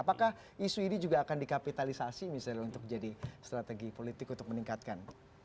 apakah isu ini juga akan dikapitalisasi misalnya untuk jadi strategi politik untuk meningkatkan